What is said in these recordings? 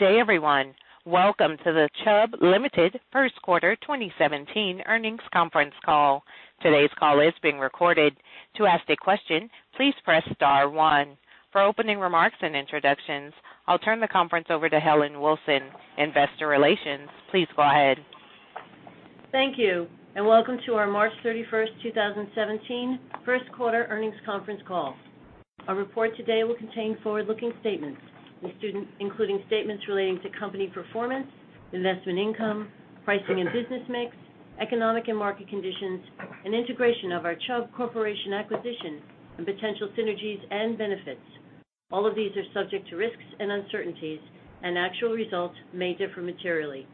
Good day, everyone. Welcome to the Chubb Limited First Quarter 2017 earnings conference call. Today's call is being recorded. To ask a question, please press * star one. For opening remarks and introductions, I'll turn the conference over to Helen Wilson, Investor Relations. Please go ahead. Thank you, and welcome to our March 31st, 2017 first quarter earnings conference call. Our report today will contain forward-looking statements, including statements relating to company performance, investment income, pricing and business mix, economic and market conditions, and integration of our Chubb Corporation acquisition, and potential synergies and benefits. All of these are subject to risks and uncertainties, and actual results may differ materially.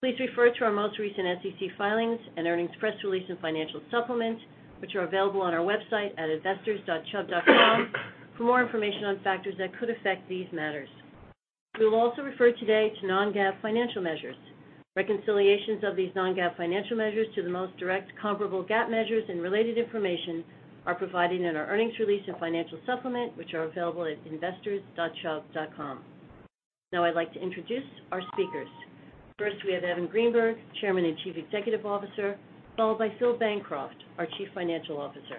Please refer to our most recent SEC filings and earnings press release and financial supplement, which are available on our website at investors.chubb.com, for more information on factors that could affect these matters. We will also refer today to non-GAAP financial measures. Reconciliations of these non-GAAP financial measures to the most direct comparable GAAP measures and related information are provided in our earnings release and financial supplement, which are available at investors.chubb.com. Now I'd like to introduce our speakers. First, we have Evan Greenberg, Chairman and Chief Executive Officer, followed by Philip Bancroft, our Chief Financial Officer.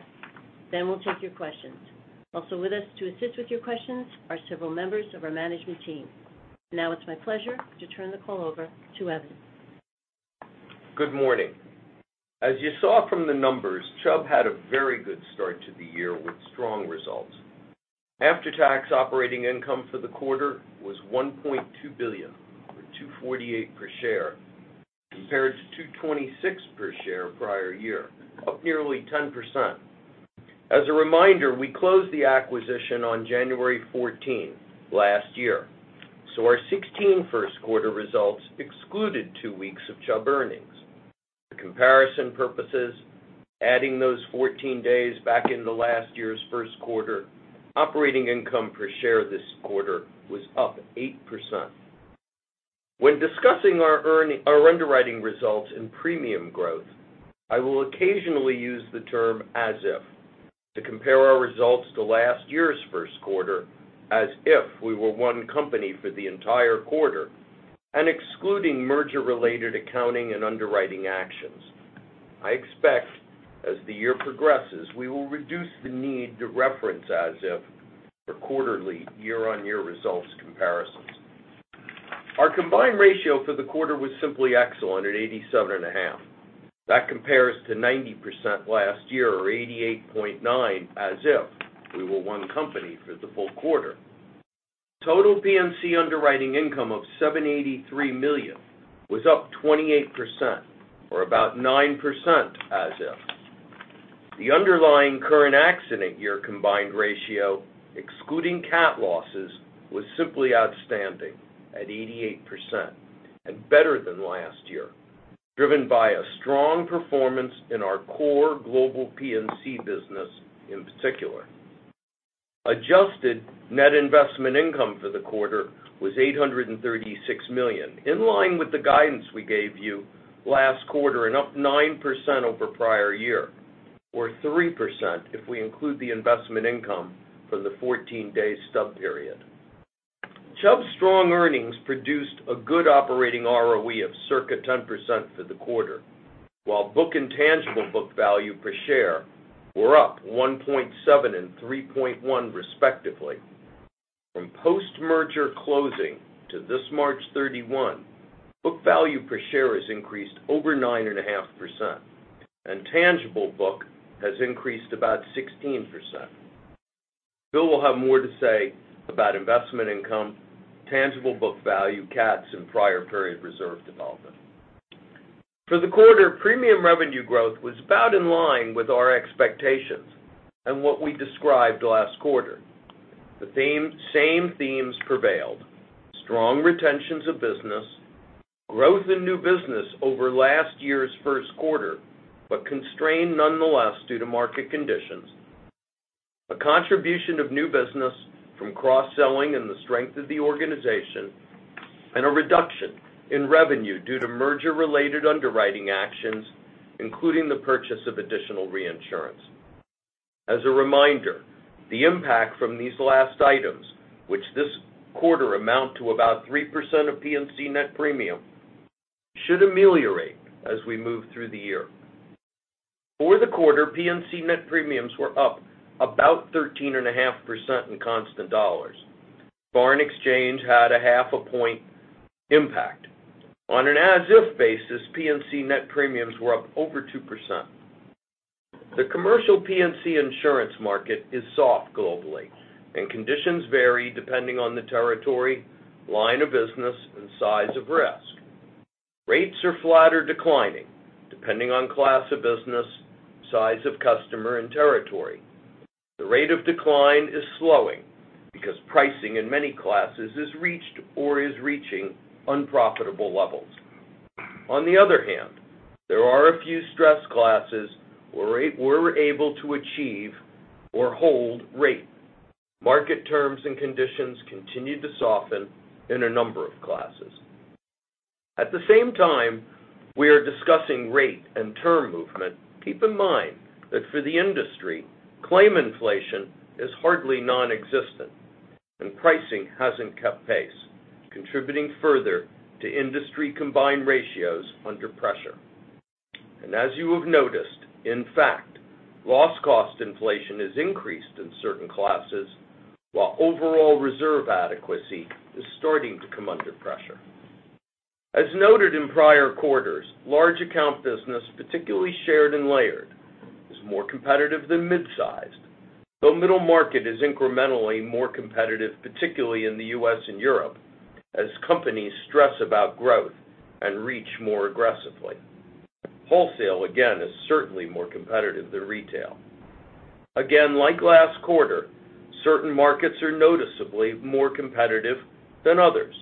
We'll take your questions. Also with us to assist with your questions are several members of our management team. Now it's my pleasure to turn the call over to Evan. Good morning. As you saw from the numbers, Chubb had a very good start to the year with strong results. After-tax operating income for the quarter was $1.2 billion, or $2.48 per share, compared to $2.26 per share prior year, up nearly 10%. As a reminder, we closed the acquisition on January 14 last year, so our 2016 first quarter results excluded two weeks of Chubb earnings. For comparison purposes, adding those 14 days back into last year's first quarter, operating income per share this quarter was up 8%. When discussing our underwriting results and premium growth, I will occasionally use the term "as if" to compare our results to last year's first quarter as if we were one company for the entire quarter and excluding merger-related accounting and underwriting actions. I expect, as the year progresses, we will reduce the need to reference as if for quarterly year-over-year results comparisons. Our combined ratio for the quarter was simply excellent at 87.5%. That compares to 90% last year, or 88.9% as if we were one company for the full quarter. Total P&C underwriting income of $783 million was up 28%, or about 9% as if. The underlying current accident year combined ratio, excluding cat losses, was simply outstanding at 88% and better than last year, driven by a strong performance in our core global P&C business in particular. Adjusted net investment income for the quarter was $836 million, in line with the guidance we gave you last quarter and up 9% over prior year, or 3% if we include the investment income for the 14-day stub period. Chubb's strong earnings produced a good operating ROE of circa 10% for the quarter, while book and tangible book value per share were up 1.7 and 3.1 respectively. From post-merger closing to this March 31, book value per share has increased over 9.5%, and tangible book has increased about 16%. Phil will have more to say about investment income, tangible book value, cats, and prior period reserve development. For the quarter, premium revenue growth was about in line with our expectations and what we described last quarter. The same themes prevailed. Strong retentions of business, growth in new business over last year's first quarter, but constrained nonetheless due to market conditions, a contribution of new business from cross-selling and the strength of the organization, and a reduction in revenue due to merger-related underwriting actions, including the purchase of additional reinsurance. As a reminder, the impact from these last items, which this quarter amount to about 3% of P&C net premium, should ameliorate as we move through the year. For the quarter, P&C net premiums were up about 13.5% in constant dollars. Foreign exchange had a half a point impact. On an as-if basis, P&C net premiums were up over 2%. The commercial P&C insurance market is soft globally and conditions vary depending on the territory, line of business, and size of risk. Rates are flat or declining, depending on class of business, size of customer, and territory. The rate of decline is slowing because pricing in many classes has reached or is reaching unprofitable levels. On the other hand, there are a few stress classes where we're able to achieve or hold rate. At the same time we are discussing rate and term movement, keep in mind that for the industry, claim inflation is hardly nonexistent and pricing hasn't kept pace, contributing further to industry combined ratios under pressure. As you have noticed, in fact, loss cost inflation has increased in certain classes, while overall reserve adequacy is starting to come under pressure. As noted in prior quarters, large account business, particularly shared and layered, is more competitive than mid-sized, though middle market is incrementally more competitive, particularly in the U.S. and Europe, as companies stress about growth and reach more aggressively. Wholesale, again, is certainly more competitive than retail. Again, like last quarter, certain markets are noticeably more competitive than others.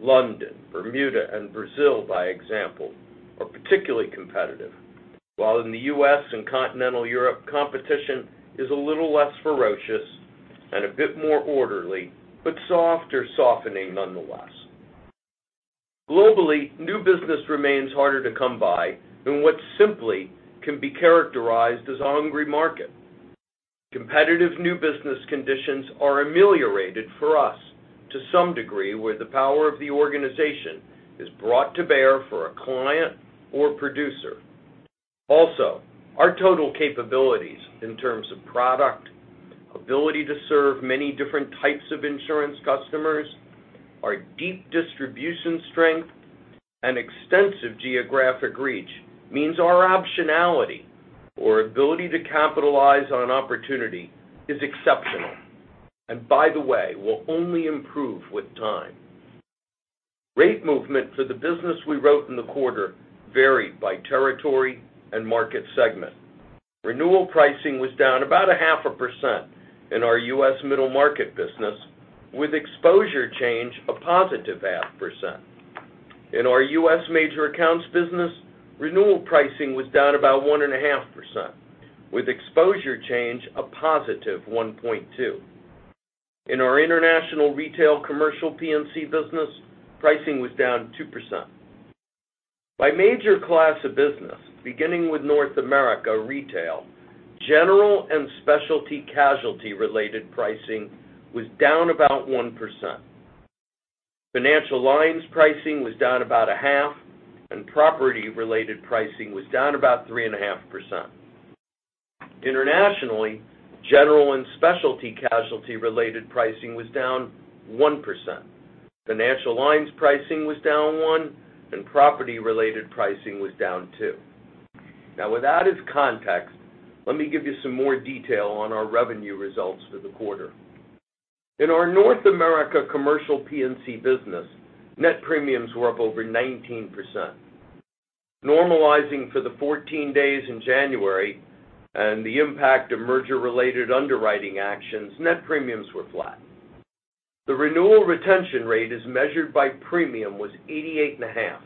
London, Bermuda, and Brazil, by example, are particularly competitive. While in the U.S. and continental Europe, competition is a little less ferocious and a bit more orderly, but soft or softening nonetheless. Globally, new business remains harder to come by in what simply can be characterized as a hungry market. Competitive new business conditions are ameliorated for us to some degree, where the power of the organization is brought to bear for a client or producer. Also, our total capabilities in terms of product, ability to serve many different types of insurance customers, our deep distribution strength, and extensive geographic reach means our optionality or ability to capitalize on opportunity is exceptional. By the way, will only improve with time. Rate movement for the business we wrote in the quarter varied by territory and market segment. Renewal pricing was down about a half a percent in our U.S. middle market business, with exposure change a positive half percent. In our U.S. major accounts business, renewal pricing was down about 1.5%, with exposure change a positive 1.2%. In our international retail commercial P&C business, pricing was down 2%. By major class of business, beginning with North America retail, general and specialty casualty-related pricing was down about 1%. Financial lines pricing was down about a half, and property-related pricing was down about 3.5%. Internationally, general and specialty casualty-related pricing was down 1%. Financial lines pricing was down one percent, and property-related pricing was down two percent. With that as context, let me give you some more detail on our revenue results for the quarter. In our North America commercial P&C business, net premiums were up over 19%. Normalizing for the 14 days in January and the impact of merger-related underwriting actions, net premiums were flat. The renewal retention rate as measured by premium was 88.5%,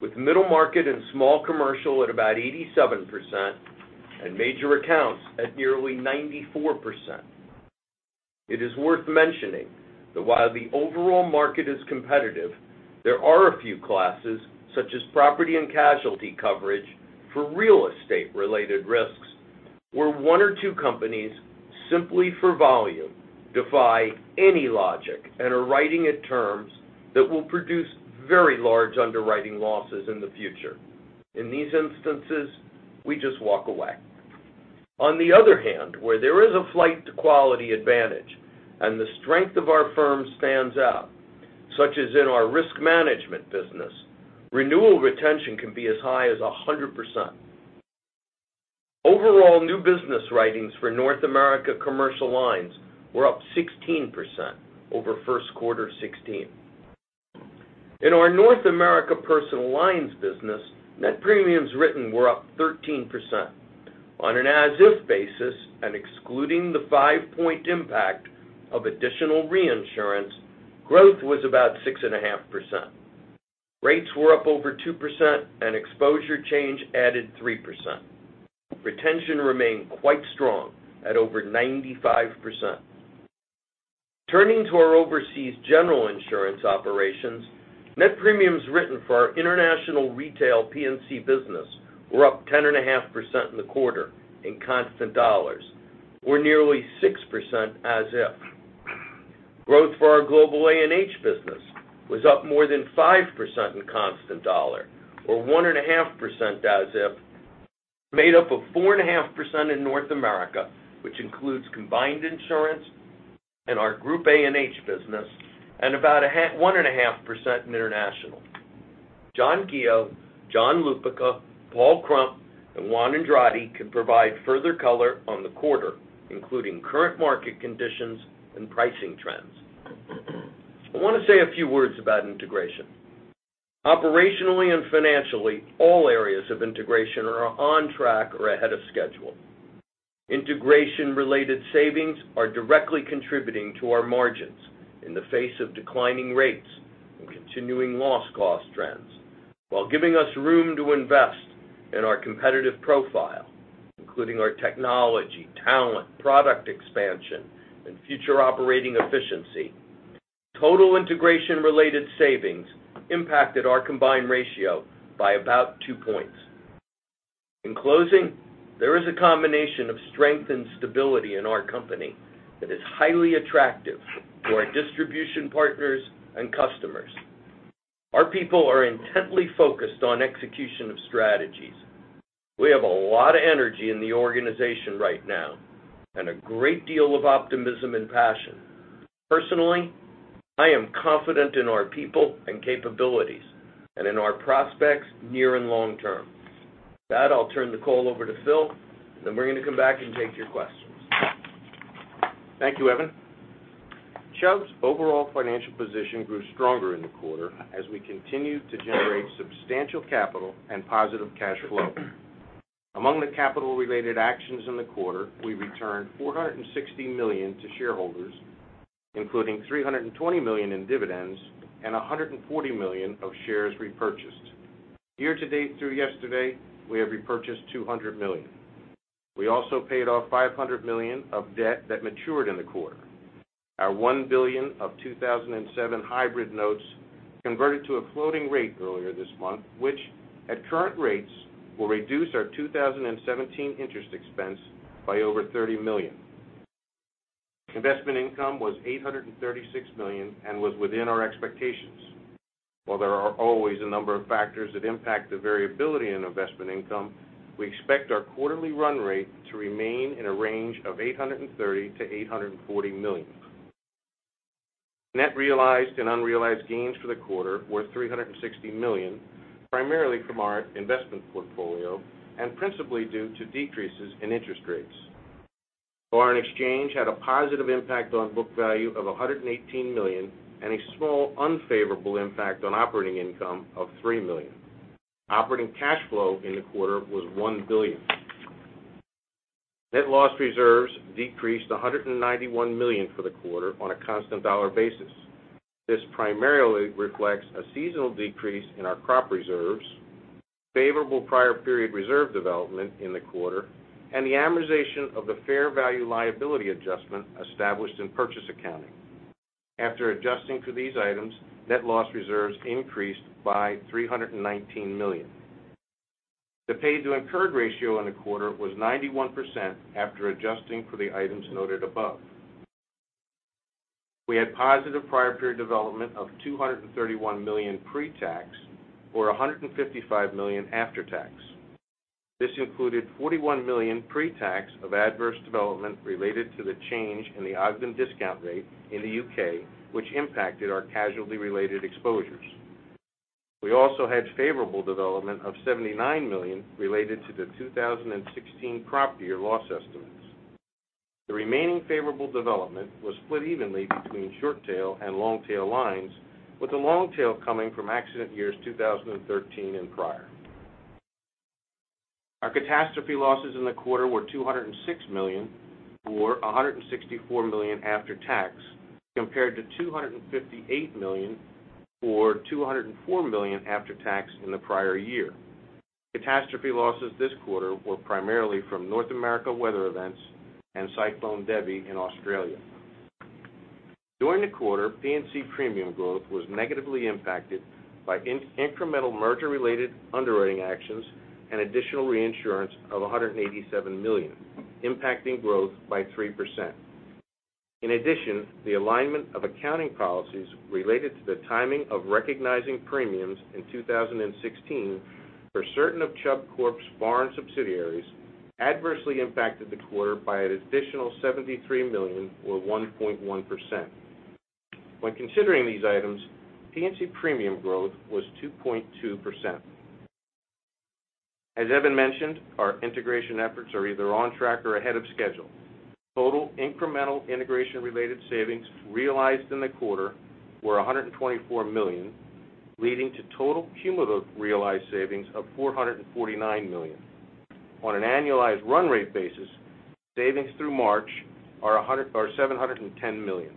with middle market and small commercial at about 87% and major accounts at nearly 94%. It is worth mentioning that while the overall market is competitive, there are a few classes, such as property and casualty coverage for real estate-related risks, where one or two companies, simply for volume, defy any logic and are writing at terms that will produce very large underwriting losses in the future. In these instances, we just walk away. On the other hand, where there is a flight to quality advantage and the strength of our firm stands out, such as in our risk management business, renewal retention can be as high as 100%. Overall, new business writings for North America commercial lines were up 16% over first quarter 2016. In our North America personal lines business, net premiums written were up 13%. On an as-if basis, excluding the five-point impact of additional reinsurance, growth was about 6.5%. Rates were up over 2%, and exposure change added 3%. Retention remained quite strong at over 95%. Turning to our overseas general insurance operations, net premiums written for our international retail P&C business were up 10.5% in the quarter in constant USD, or nearly 6% as if. Growth for our global A&H business was up more than 5% in constant USD or 1.5% as if, made up of 4.5% in North America, which includes Combined Insurance and our group A&H business, and about 1.5% in international. John Keogh, John Lupica, Paul Krump, and Juan Andrade can provide further color on the quarter, including current market conditions and pricing trends. I want to say a few words about integration. Operationally and financially, all areas of integration are on track or ahead of schedule. Integration-related savings are directly contributing to our margins in the face of declining rates and continuing loss cost trends while giving us room to invest in our competitive profile. Including our technology, talent, product expansion, and future operating efficiency. Total integration-related savings impacted our combined ratio by about 2 points. In closing, there is a combination of strength and stability in our company that is highly attractive to our distribution partners and customers. Our people are intently focused on execution of strategies. We have a lot of energy in the organization right now and a great deal of optimism and passion. Personally, I am confident in our people and capabilities and in our prospects near and long term. With that, I'll turn the call over to Phil. Then we're going to come back and take your questions. Thank you, Evan. Chubb's overall financial position grew stronger in the quarter as we continued to generate substantial capital and positive cash flow. Among the capital-related actions in the quarter, we returned $460 million to shareholders, including $320 million in dividends and $140 million of shares repurchased. Year-to-date through yesterday, we have repurchased $200 million. We also paid off $500 million of debt that matured in the quarter. Our $1 billion of 2007 hybrid notes converted to a floating rate earlier this month, which at current rates will reduce our 2017 interest expense by over $30 million. Investment income was $836 million and was within our expectations. While there are always a number of factors that impact the variability in investment income, we expect our quarterly run rate to remain in a range of $830 million-$840 million. Net realized and unrealized gains for the quarter were $360 million, primarily from our investment portfolio and principally due to decreases in interest rates. Foreign exchange had a positive impact on book value of $118 million and a small unfavorable impact on operating income of $3 million. Operating cash flow in the quarter was $1 billion. Net loss reserves decreased $191 million for the quarter on a constant dollar basis. This primarily reflects a seasonal decrease in our crop reserves, favorable prior period reserve development in the quarter, and the amortization of the fair value liability adjustment established in purchase accounting. After adjusting for these items, net loss reserves increased by $319 million. The paid-to-incurred ratio in the quarter was 91% after adjusting for the items noted above. We had positive prior period development of $231 million pre-tax or $155 million after tax. This included $41 million pre-tax of adverse development related to the change in the Ogden discount rate in the U.K., which impacted our casualty related exposures. We also had favorable development of $79 million related to the 2016 crop year loss estimates. The remaining favorable development was split evenly between short tail and long tail lines with the long tail coming from accident years 2013 and prior. Our catastrophe losses in the quarter were $206 million, or $164 million after tax, compared to $258 million or $204 million after tax in the prior year. Catastrophe losses this quarter were primarily from North America weather events and Cyclone Debbie in Australia. During the quarter, P&C premium growth was negatively impacted by incremental merger related underwriting actions and additional reinsurance of $187 million, impacting growth by 3%. The alignment of accounting policies related to the timing of recognizing premiums in 2016 for certain of Chubb Corp's foreign subsidiaries adversely impacted the quarter by an additional $73 million or 1.1%. When considering these items, P&C premium growth was 2.2%. As Evan mentioned, our integration efforts are either on track or ahead of schedule. Total incremental integration related savings realized in the quarter were $124 million, leading to total cumulative realized savings of $449 million. On an annualized run rate basis, savings through March are $710 million.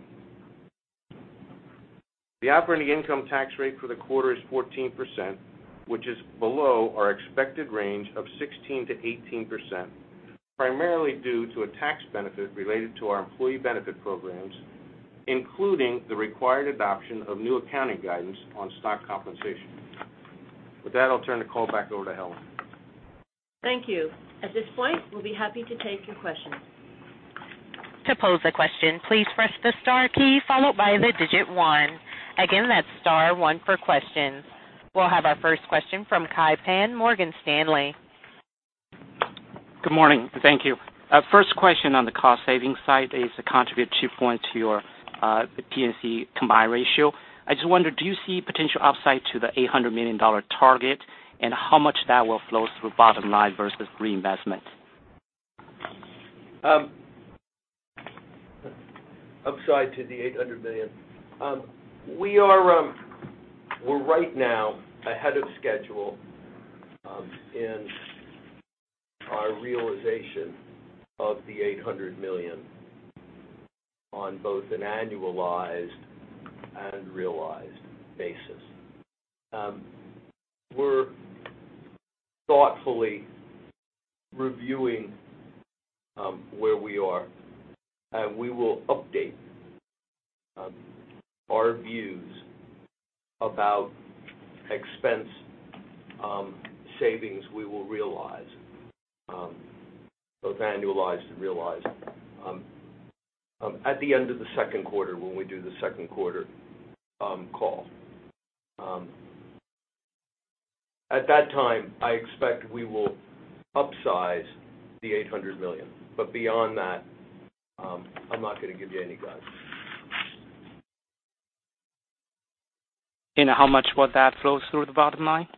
The operating income tax rate for the quarter is 14%, which is below our expected range of 16%-18%, primarily due to a tax benefit related to our employee benefit programs, including the required adoption of new accounting guidance on stock compensation. With that, I'll turn the call back over to Helen. Thank you. At this point, we'll be happy to take your questions. To pose a question, please press the star key followed by the digit 1. Again, that's star 1 for questions. We'll have our first question from Kai Pan, Morgan Stanley. Good morning. Thank you. First question on the cost savings side is to contribute to points to your P&C combined ratio. I just wonder, do you see potential upside to the $800 million target and how much that will flow through bottom line versus reinvestment? Upside to the $800 million. We're right now ahead of schedule in our realization of the $800 million. On both an annualized and realized basis. We're thoughtfully reviewing where we are. We will update our views about expense savings we will realize, both annualized and realized, at the end of the second quarter when we do the second quarter call. At that time, I expect we will upsize the $800 million. Beyond that, I'm not going to give you any guidance. How much of that flows through the bottom line?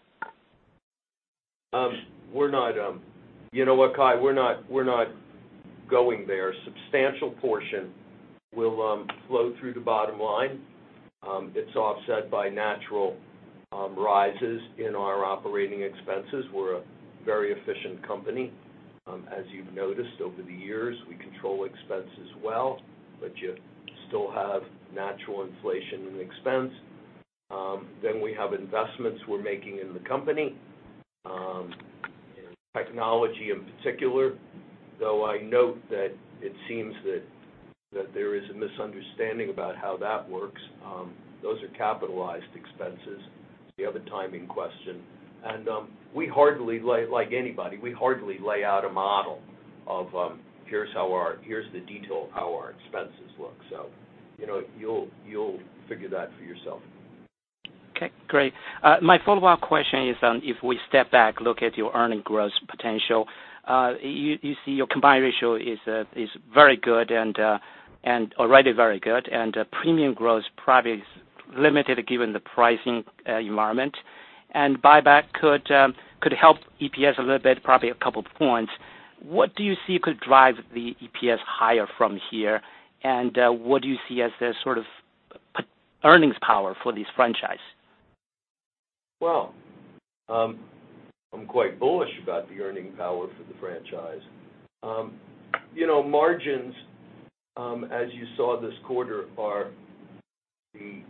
You know what, Kai? We're not going there. A substantial portion will flow through the bottom line. It's offset by natural rises in our operating expenses. We're a very efficient company. As you've noticed over the years, we control expenses well, but you still have natural inflation in expense. We have investments we're making in the company, in technology in particular, though I note that it seems that there is a misunderstanding about how that works. Those are capitalized expenses. It's the other timing question. Like anybody, we hardly lay out a model of here's the detail of how our expenses look. You'll figure that for yourself. Okay, great. My follow-up question is, if we step back, look at your earning growth potential, you see your combined ratio is very good, already very good, and premium growth probably is limited given the pricing environment. Buyback could help EPS a little bit, probably a couple points. What do you see could drive the EPS higher from here? What do you see as the sort of earnings power for this franchise? Well, I'm quite bullish about the earning power for the franchise. Margins, as you saw this quarter, are the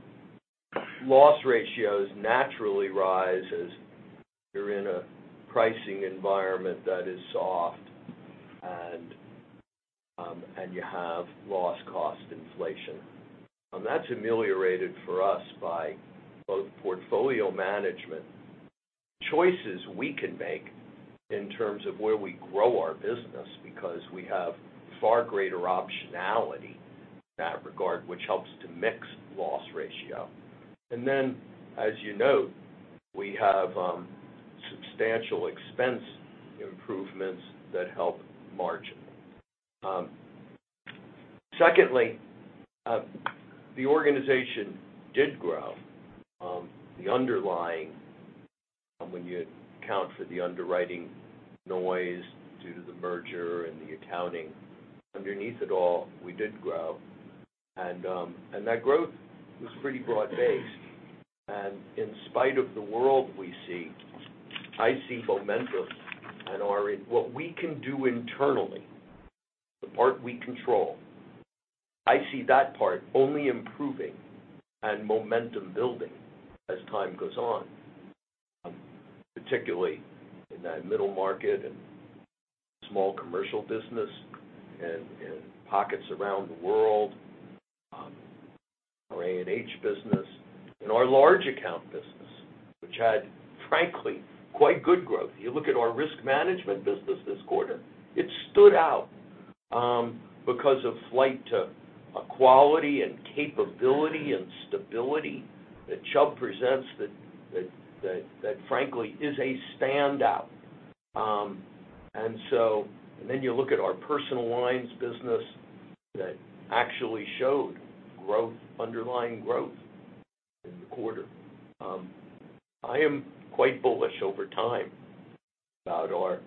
loss ratios naturally rise as you're in a pricing environment that is soft and you have loss cost inflation. That's ameliorated for us by both portfolio management choices we can make in terms of where we grow our business because we have far greater optionality in that regard, which helps to mix loss ratio. Then, as you note, we have substantial expense improvements that help margin. Secondly, the organization did grow. The underlying, when you account for the underwriting noise due to the merger and the accounting, underneath it all, we did grow. That growth was pretty broad-based. In spite of the world we see, I see momentum in what we can do internally, the part we control. I see that part only improving and momentum building as time goes on, particularly in that middle market and small commercial business and in pockets around the world, our A&H business and our large account business, which had, frankly, quite good growth. You look at our risk management business this quarter, it stood out because of flight to quality and capability and stability that Chubb presents that frankly, is a standout. Then you look at our personal lines business that actually showed underlying growth in the quarter. I am quite bullish over time about our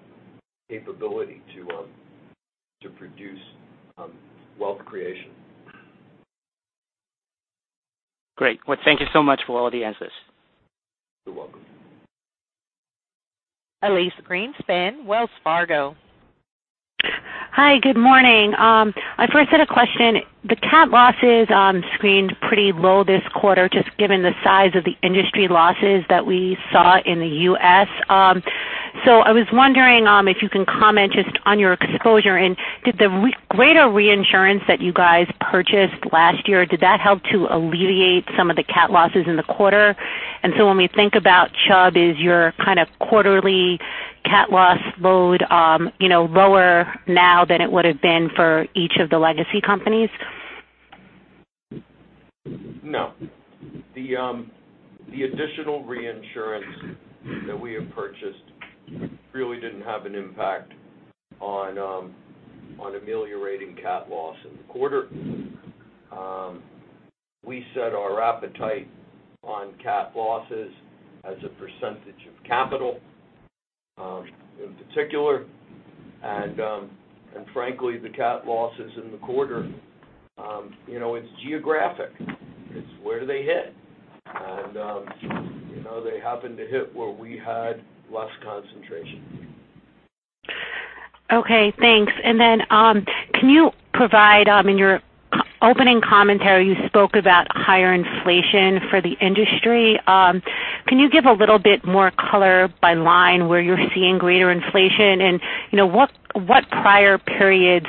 capability to produce wealth creation. Great. Well, thank you so much for all the answers. You're welcome. Elyse Greenspan, Wells Fargo. Hi, good morning. I first had a question. The cat losses screened pretty low this quarter, just given the size of the industry losses that we saw in the U.S. I was wondering if you can comment just on your exposure, and did the greater reinsurance that you guys purchased last year, did that help to alleviate some of the cat losses in the quarter? When we think about Chubb, is your kind of quarterly cat loss load lower now than it would've been for each of the legacy companies? No. The additional reinsurance that we have purchased really didn't have an impact on ameliorating cat loss in the quarter. We set our appetite on cat losses as a percentage of capital, in particular, and frankly, the cat losses in the quarter, it's geographic. It's where do they hit? They happened to hit where we had less concentration. Okay, thanks. Can you provide, in your opening commentary, you spoke about higher inflation for the industry. Can you give a little bit more color by line where you're seeing greater inflation and what prior periods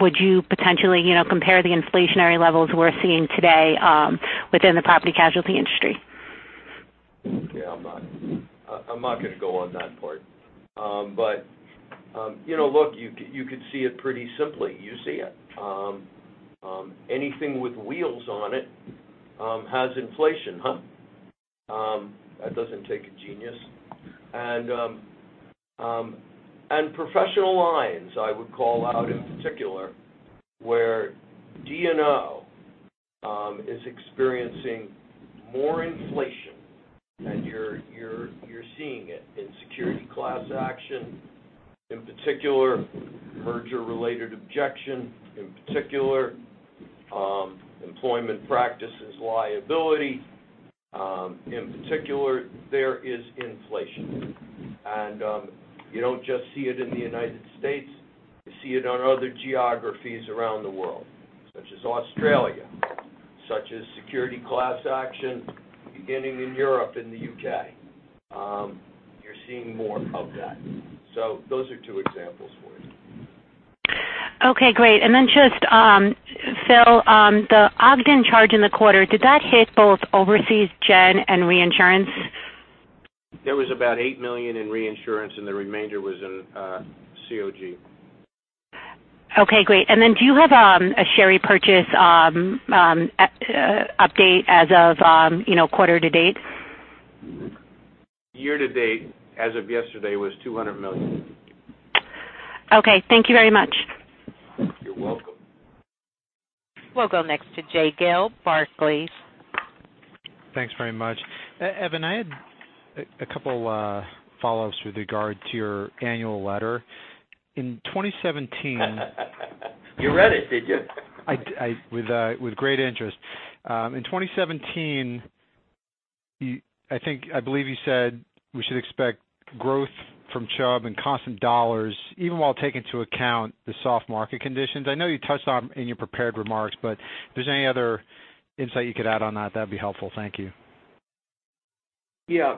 would you potentially compare the inflationary levels we're seeing today within the property casualty industry? Yeah, I'm not going to go on that part. Look, you could see it pretty simply. You see it. Anything with wheels on it has inflation, huh? That doesn't take a genius. Professional lines, I would call out in particular, where D&O is experiencing more inflation, and you're seeing it in security class action, in particular, merger-related objection, in particular, employment practices liability, in particular, there is inflation. You don't just see it in the U.S. You see it on other geographies around the world, such as Australia, such as security class action beginning in Europe and the U.K. You're seeing more of that. Those are two examples for you. Okay, great. Just, Phil, the Ogden charge in the quarter, did that hit both Overseas General and reinsurance? There was about $8 million in reinsurance and the remainder was in COG. Okay, great. Do you have a share repurchase update as of quarter to date? Year to date, as of yesterday, was $200 million. Okay. Thank you very much. You're welcome. We'll go next to Jay Gelb, Barclays. Thanks very much. Evan, I had a couple follow-ups with regard to your annual letter. In 2017- You read it, did you? With great interest. In 2017, I believe you said we should expect growth from Chubb and constant dollars even while taking into account the soft market conditions. I know you touched on it in your prepared remarks, but if there's any other insight you could add on that'd be helpful. Thank you. Yeah.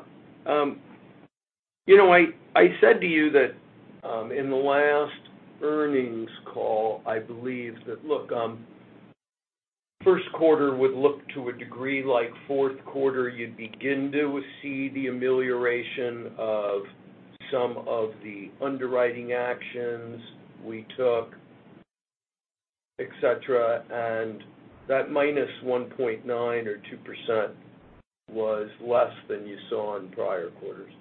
I said to you that in the last earnings call, I believe that, look, first quarter would look to a degree like fourth quarter. You'd begin to see the amelioration of some of the underwriting actions we took, et cetera, and that -1.9% or 2% was less than you saw in prior quarters.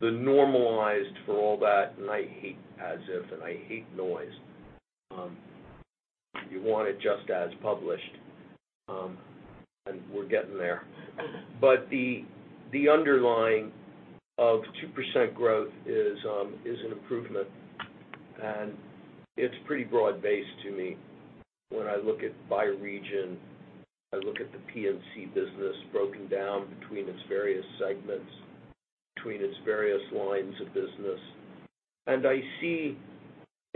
The normalized for all that, and I hate as if, and I hate noise. You want it just as published, and we're getting there. The underlying of 2% growth is an improvement, and it's pretty broad-based to me when I look at by region, I look at the P&C business broken down between its various segments, between its various lines of business. I see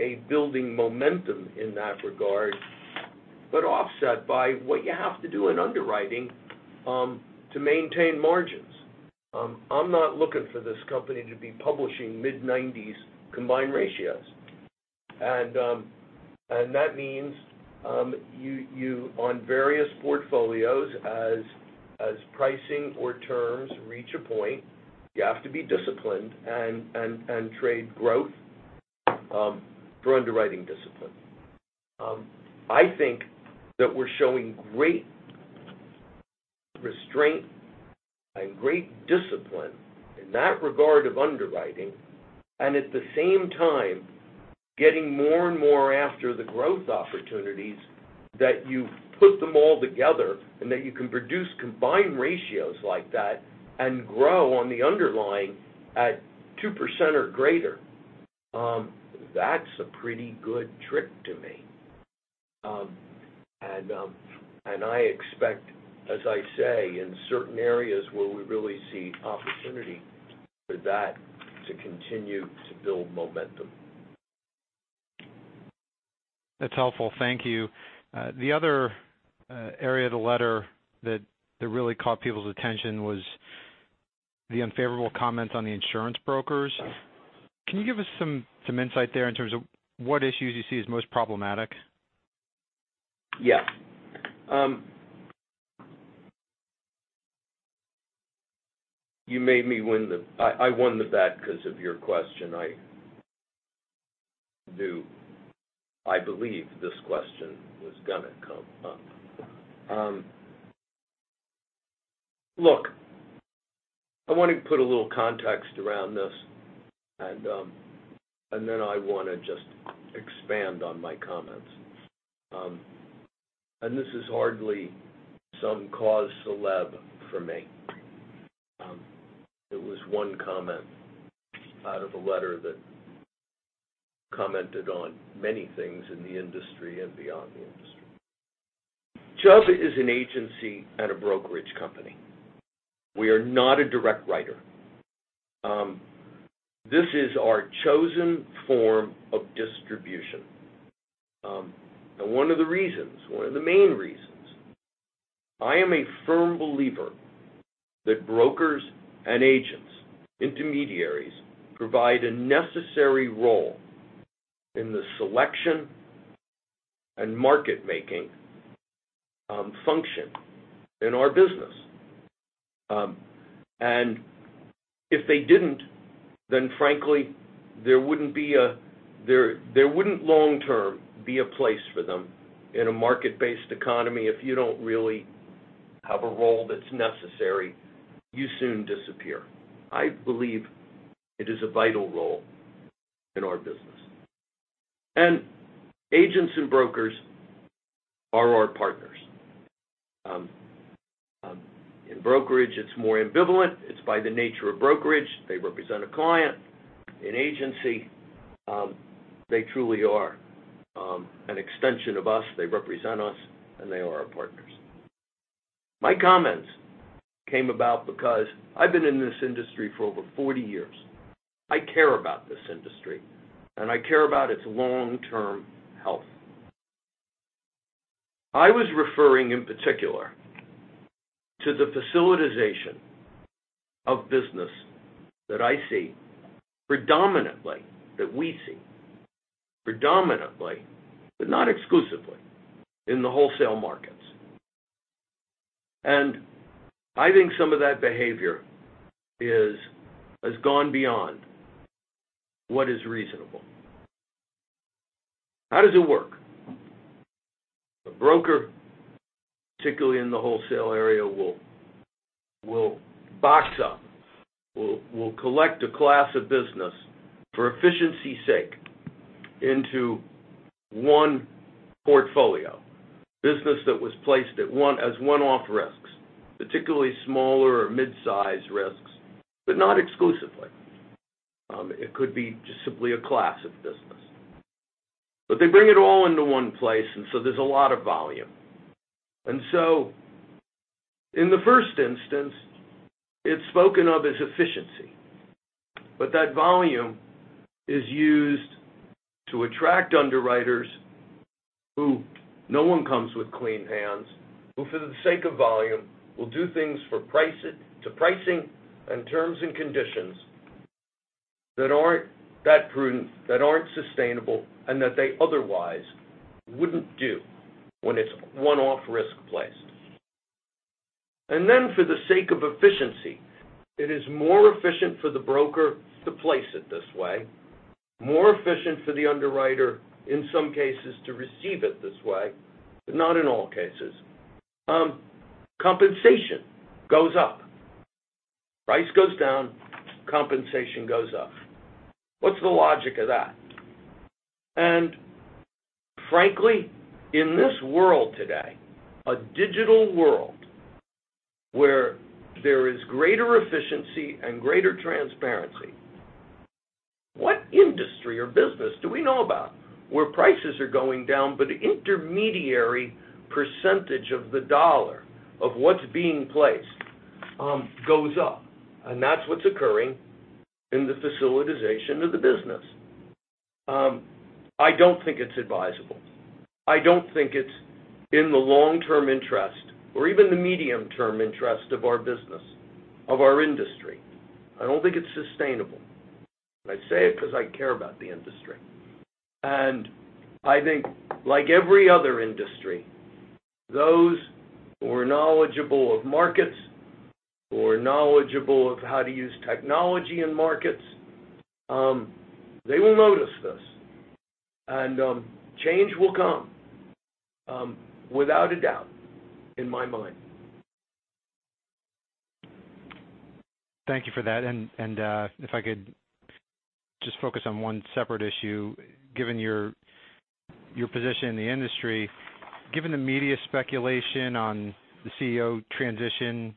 a building momentum in that regard, but offset by what you have to do in underwriting to maintain margins. I'm not looking for this company to be publishing mid-90s combined ratios. That means on various portfolios, as pricing or terms reach a point, you have to be disciplined and trade growth for underwriting discipline. I think that we're showing great restraint and great discipline in that regard of underwriting, and at the same time, getting more and more after the growth opportunities that you've put them all together and that you can produce combined ratios like that and grow on the underlying at 2% or greater. That's a pretty good trick to me. I expect, as I say, in certain areas where we really see opportunity for that to continue to build momentum. That's helpful. Thank you. The other area of the letter that really caught people's attention was the unfavorable comments on the insurance brokers. Can you give us some insight there in terms of what issues you see as most problematic? Yeah. I believe this question was going to come up. Look, I want to put a little context around this, and then I want to just expand on my comments. This is hardly some cause célèbre for me Is one comment out of a letter that commented on many things in the industry and beyond the industry. Chubb is an agency and a brokerage company. We are not a direct writer. This is our chosen form of distribution. One of the main reasons, I am a firm believer that brokers and agents, intermediaries, provide a necessary role in the selection and market-making function in our business. If they didn't, then frankly, there wouldn't long-term be a place for them in a market-based economy if you don't really have a role that's necessary, you soon disappear. I believe it is a vital role in our business. Agents and brokers are our partners. In brokerage, it's more ambivalent. It's by the nature of brokerage. They represent a client. In agency, they truly are an extension of us. They represent us, and they are our partners. My comments came about because I've been in this industry for over 40 years. I care about this industry, and I care about its long-term health. I was referring in particular to the facilitization of business that I see predominantly, that we see predominantly, but not exclusively, in the wholesale markets. I think some of that behavior has gone beyond what is reasonable. How does it work? The broker, particularly in the wholesale area, will box up, will collect a class of business for efficiency's sake into one portfolio. Business that was placed as one-off risks, particularly smaller or mid-size risks, but not exclusively. It could be just simply a class of business. They bring it all into one place, and so there's a lot of volume. In the first instance, it's spoken of as efficiency, but that volume is used to attract underwriters who, no one comes with clean hands, who for the sake of volume will do things to pricing and terms and conditions that aren't that prudent, that aren't sustainable, and that they otherwise wouldn't do when it's one-off risk placed. Then for the sake of efficiency, it is more efficient for the broker to place it this way, more efficient for the underwriter in some cases to receive it this way, but not in all cases. Compensation goes up. Price goes down, compensation goes up. What's the logic of that? Frankly, in this world today, a digital world where there is greater efficiency and greater transparency, what industry or business do we know about where prices are going down, but the intermediary percentage of the dollar of what's being placed goes up? That's what's occurring in the facilitization of the business. I don't think it's advisable. I don't think it's in the long-term interest or even the medium-term interest of our business, of our industry. I don't think it's sustainable. I say it because I care about the industry. I think like every other industry, those who are knowledgeable of markets, who are knowledgeable of how to use technology in markets, they will notice this. Change will come without a doubt in my mind. Thank you for that. If I could just focus on one separate issue, given your position in the industry, given the media speculation on the CEO transition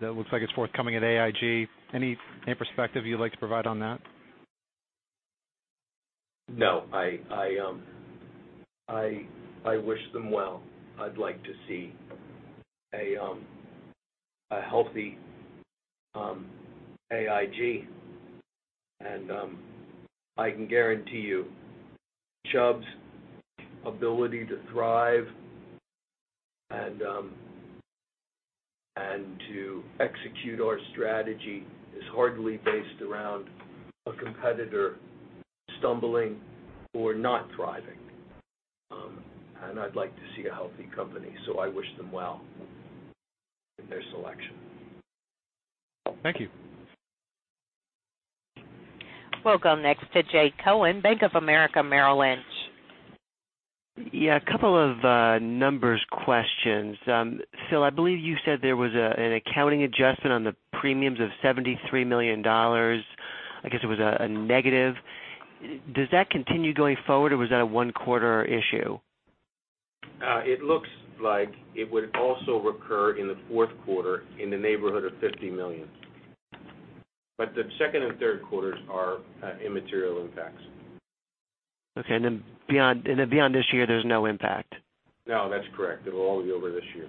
that looks like it's forthcoming at AIG, any perspective you'd like to provide on that? No. I wish them well. I'd like to see a healthy AIG. I can guarantee you, Chubb's ability to thrive and to execute our strategy is hardly based around a competitor stumbling or not thriving. I'd like to see a healthy company, so I wish them well in their selection. Thank you. We'll go next to Jay Cohen, Bank of America Merrill Lynch. Yeah, a couple of numbers questions. Phil, I believe you said there was an accounting adjustment on the premiums of $73 million. I guess it was a negative. Does that continue going forward, or was that a one-quarter issue? It looks like it would also recur in the fourth quarter in the neighborhood of $50 million. The second and third quarters are immaterial impacts. Okay, beyond this year, there's no impact? No, that's correct. It'll all be over this year.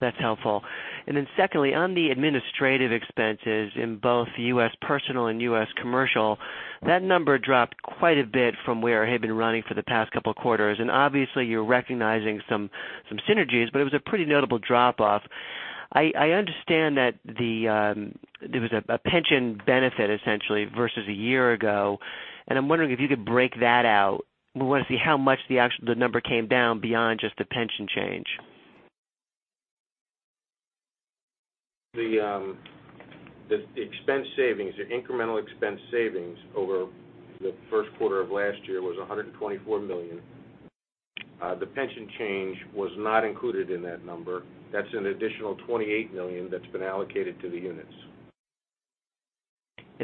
That's helpful. secondly, on the administrative expenses in both U.S. personal and U.S. commercial, that number dropped quite a bit from where it had been running for the past couple of quarters. Obviously, you're recognizing some synergies, it was a pretty notable drop-off. I understand that there was a pension benefit essentially versus a year ago, I'm wondering if you could break that out. We want to see how much the number came down beyond just the pension change. The incremental expense savings over the first quarter of last year was $124 million. The pension change was not included in that number. That's an additional $28 million that's been allocated to the units.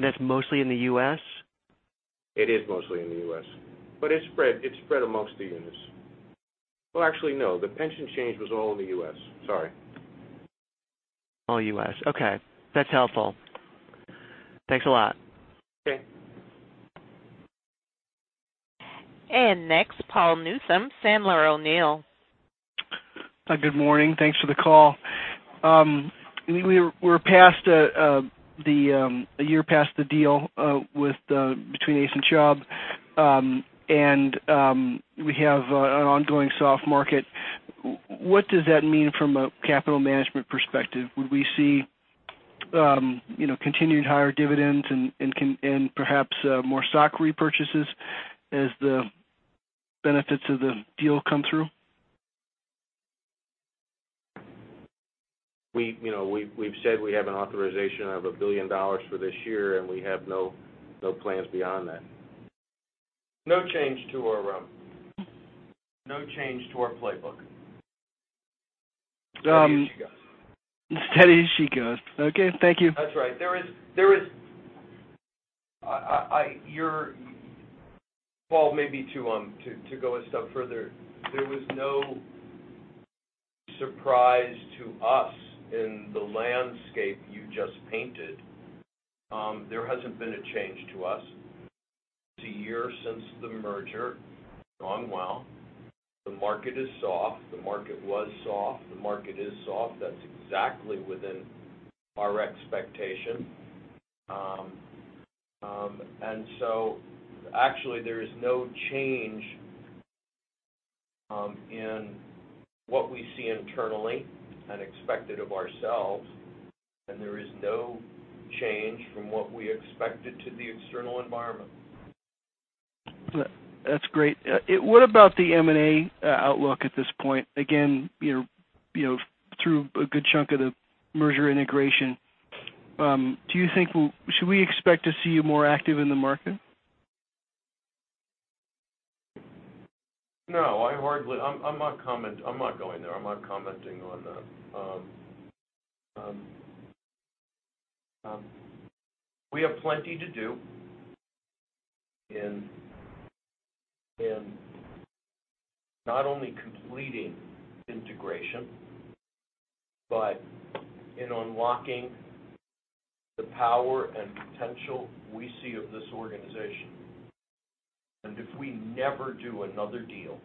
That's mostly in the U.S.? It is mostly in the U.S., it's spread amongst the units. Well, actually, no, the pension change was all in the U.S. Sorry. All U.S. Okay. That's helpful. Thanks a lot. Okay. Next, Paul Newsome, Sandler O'Neill. Hi, good morning. Thanks for the call. We're a year past the deal between ACE and Chubb. We have an ongoing soft market. What does that mean from a capital management perspective? Would we see continued higher dividends and perhaps more stock repurchases as the benefits of the deal come through? We've said we have an authorization of $1 billion for this year. We have no plans beyond that. No change to our playbook. Steady as she goes. Steady as she goes. Okay, thank you. That's right. Paul, maybe to go a step further, there was no surprise to us in the landscape you just painted. There hasn't been a change to us. It's a year since the merger. Gone well. The market is soft. The market was soft. The market is soft. That's exactly within our expectation. Actually, there is no change in what we see internally and expected of ourselves, and there is no change from what we expected to the external environment. That's great. What about the M&A outlook at this point? Again, through a good chunk of the merger integration. Should we expect to see you more active in the market? No. I'm not going there. I'm not commenting on that. We have plenty to do in not only completing integration but in unlocking the power and potential we see of this organization. If we never do another deal,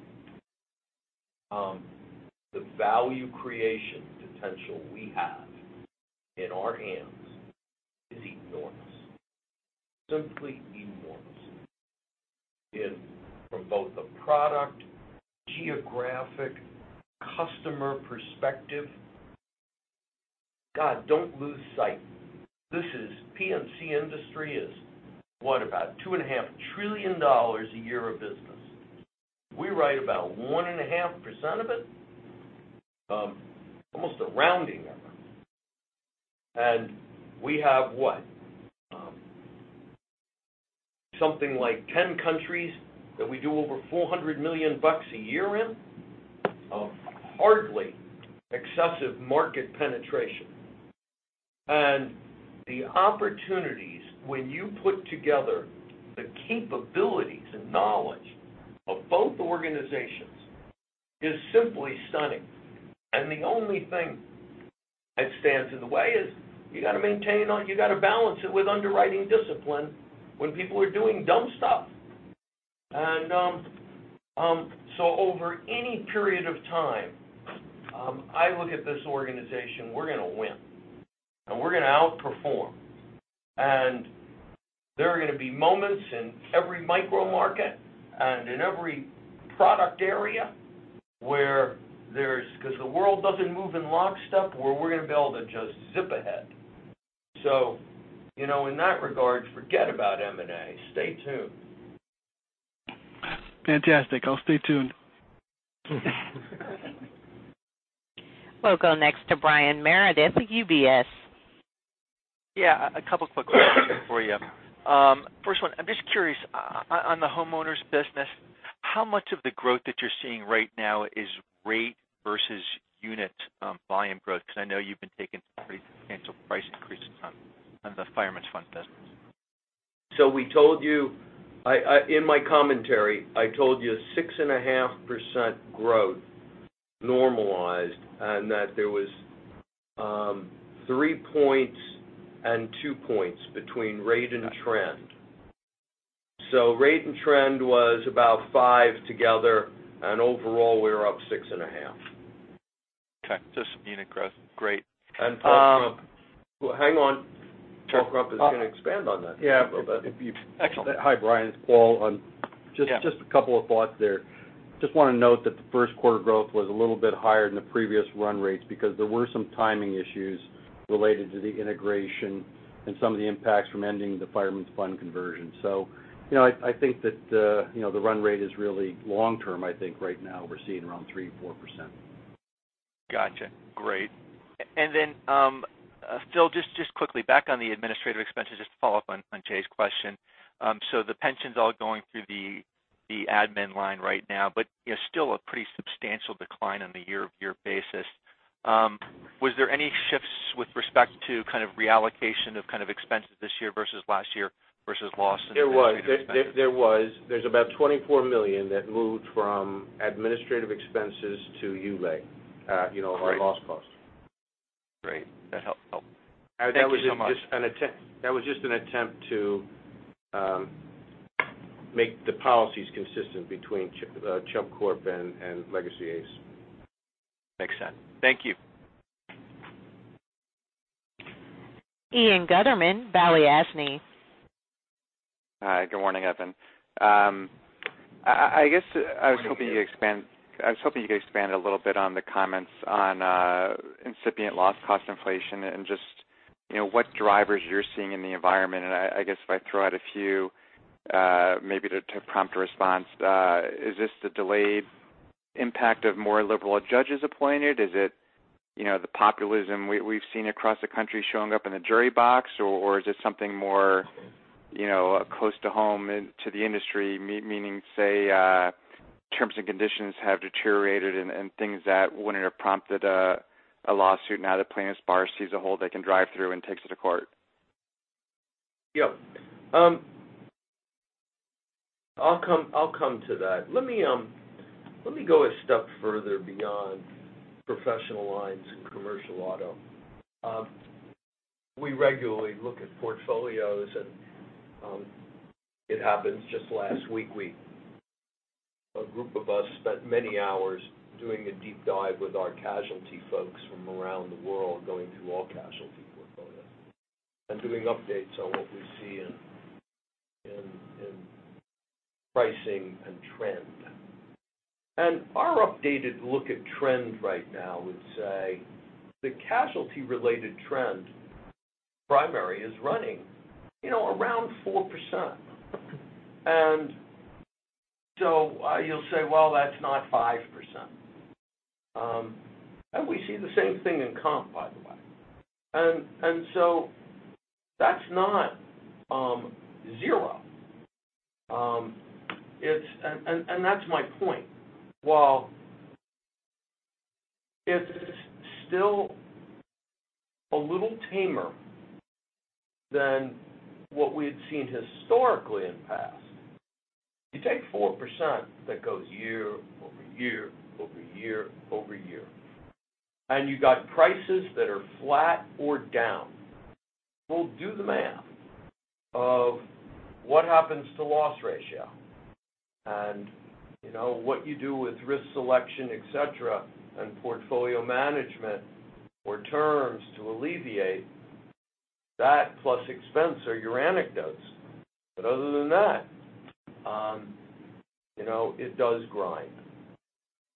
the value creation potential we have in our hands is enormous. Simply enormous. From both the product, geographic, customer perspective. God, don't lose sight. The P&C industry is, what, about $2.5 trillion a year of business. We write about 1.5% of it, almost a rounding error. We have what? Something like 10 countries that we do over $400 million a year in, of hardly excessive market penetration. The opportunities when you put together the capabilities and knowledge of both organizations is simply stunning. The only thing that stands in the way is you got to balance it with underwriting discipline when people are doing dumb stuff. Over any period of time, I look at this organization, we're going to win, and we're going to outperform. There are going to be moments in every micro-market and in every product area where there's, because the world doesn't move in lockstep, where we're going to be able to just zip ahead. In that regard, forget about M&A. Stay tuned. Fantastic. I'll stay tuned. We'll go next to Brian Meredith, UBS. Yeah, a couple quick questions for you. First one, I'm just curious, on the homeowners business, how much of the growth that you're seeing right now is rate versus unit volume growth? Because I know you've been taking some pretty substantial pricing. The Fireman's Fund business. We told you, in my commentary, I told you 6.5% growth normalized, and that there was 3 points and 2 points between rate and trend. Rate and trend was about 5 together, and overall, we were up 6.5%. Okay. Just meaning growth. Great. Paul Krump. Hang on. Paul Krump is going to expand on that a little bit. Yeah. Excellent. Hi, Brian. It's Paul. Yeah. Just a couple of thoughts there. Just want to note that the first quarter growth was a little bit higher than the previous run rates because there were some timing issues related to the integration and some of the impacts from ending the Fireman's Fund conversion. I think that the run rate is really long-term, I think right now we're seeing around 3%-4%. Got you. Great. Phil, just quickly back on the administrative expenses, just to follow up on Jay's question. The pension's all going through the admin line right now, but still a pretty substantial decline on the year-over-year basis. Was there any shifts with respect to reallocation of expenses this year versus last year versus loss? There was. There's about $24 million that moved from administrative expenses to ULAE. Great. Our loss cost. Great. That helps. Thank you so much. That was just an attempt to make the policies consistent between Chubb Corp and legacy ACE. Makes sense. Thank you. Ian Gutterman, Balyasny. Hi, good morning, Evan. I guess I was hoping you could expand a little bit on the comments on incipient loss cost inflation and just what drivers you're seeing in the environment, and I guess if I throw out a few, maybe to prompt a response, is this the delayed impact of more liberal judges appointed? Is it the populism we've seen across the country showing up in the jury box, or is it something more close to home and to the industry, meaning, say, terms and conditions have deteriorated and things that wouldn't have prompted a lawsuit, now the plaintiffs' bar sees a hole they can drive through and takes it to court? Yeah. I'll come to that. Let me go a step further beyond professional lines and commercial auto. We regularly look at portfolios and it happened just last week. A group of us spent many hours doing a deep dive with our casualty folks from around the world, going through all casualty portfolios and doing updates on what we see in pricing and trend. Our updated look at trends right now would say the casualty-related trend, primary is running around 4%. So you'll say, "Well, that's not 5%." We see the same thing in comp, by the way. So that's not 0. That's my point. While it's still a little tamer than what we had seen historically in the past, you take 4% that goes year over year over year over year, and you got prices that are flat or down. Well, do the math of what happens to loss ratio. What you do with risk selection, et cetera, and portfolio management or terms to alleviate that plus expense are your anecdotes. Other than that, it does grind.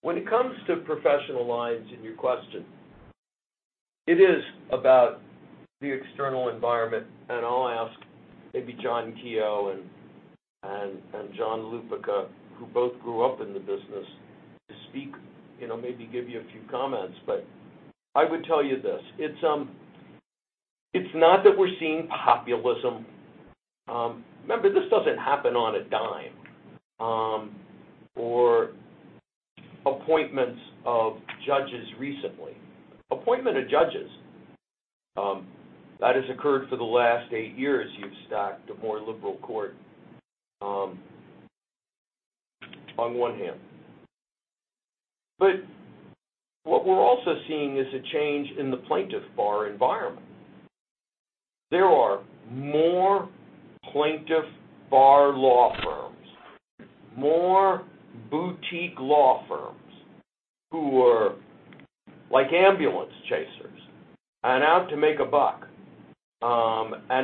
When it comes to professional lines in your question, it is about the external environment, and I'll ask maybe John Keogh and John Lupica, who both grew up in the business to speak, maybe give you a few comments. I would tell you this, it's not that we're seeing populism. Remember, this doesn't happen on a dime or appointments of judges recently. Appointment of judges, that has occurred for the last eight years. You've stocked a more liberal court on one hand. What we're also seeing is a change in the plaintiffs' bar environment. There are more plaintiffs' bar law firms, more boutique law firms who are like ambulance chasers and out to make a buck.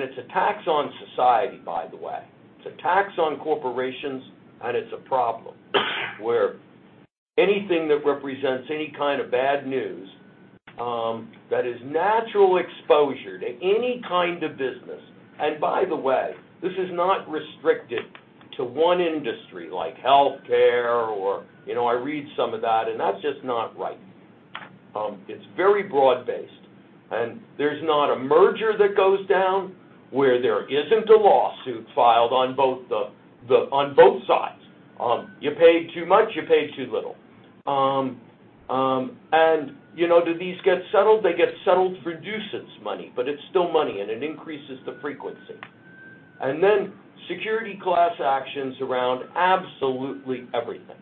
It's a tax on society, by the way. It's a tax on corporations, and it's a problem where anything that represents any kind of bad news, that is natural exposure to any kind of business. By the way, this is not restricted to one industry like healthcare or I read some of that, and that's just not right. It's very broad-based, and there's not a merger that goes down where there isn't a lawsuit filed on both sides. You paid too much, you paid too little. Do these get settled? They get settled for deuces money, but it's still money, and it increases the frequency. Security class actions around absolutely everything.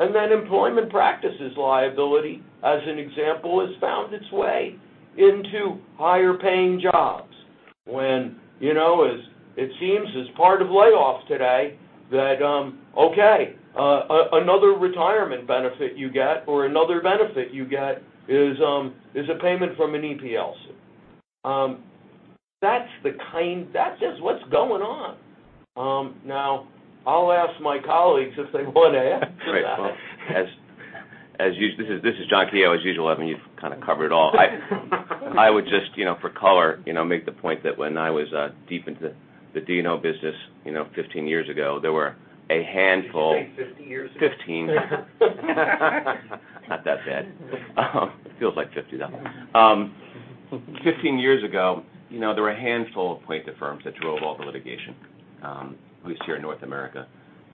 Employment practices liability, as an example, has found its way into higher-paying jobs. When it seems as part of layoffs today that, okay, another retirement benefit you get or another benefit you get is a payment from an EPL suit. That's just what's going on. Now, I'll ask my colleagues if they want to add to that. Great. This is John Keogh. As usual, Evan, you've kind of covered it all. I would just, for color, make the point that when I was deep into the D&O business 15 years ago, there were a handful- Did you say 50 years ago? 15. Not that bad. It feels like 50, though. 15 years ago, there were a handful of plaintiff firms that drove all the litigation, at least here in North America.